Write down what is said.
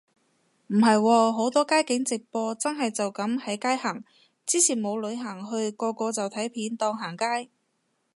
唔係喎，好多街景直播真係就噉喺街行，之前冇旅行去個個就睇片當行街